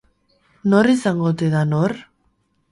Nor izango ote da nor?